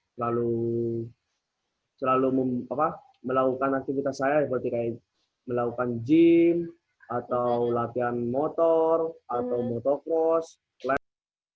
selalu melakukan aktivitas saya seperti kayak melakukan gym atau latihan motor atau motocross lab